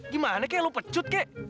gimana kek lu pecut kek